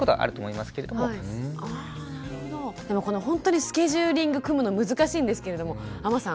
でもこの本当にスケジューリング組むの難しいんですけれども阿真さん